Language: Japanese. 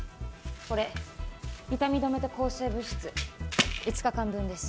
これ痛み止めと抗生物質５日間分です